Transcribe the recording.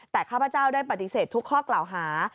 แต่ข้าพเจ้าได้ปฏิเสธทุกข้อกล่าวหา